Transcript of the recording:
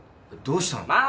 どうしたの？